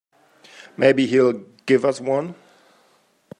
Maybe he'll give us one.